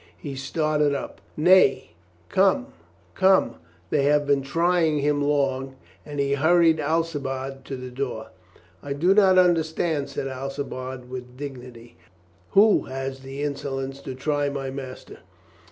He started up. "Nay, come, come, they have been trying him long." And he hurried Alcibiade to the door. "I do not understand," said Alcibiade with dig nity. "Who has the insolence to try my master?"